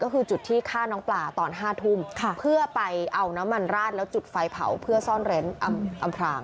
ก็คือจุดที่ฆ่าน้องปลาตอน๕ทุ่มเพื่อไปเอาน้ำมันราดแล้วจุดไฟเผาเพื่อซ่อนเร้นอำพราง